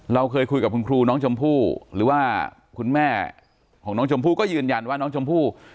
เราเคยคุยกับคุณครูน้องชมพู่หรือว่าคุณแม่ของน้องชมพู่ก็ยืนยันว่าน้องชมพู่